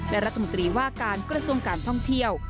และรัฐมนตรีว่าการกระทรวงการท่องเที่ยว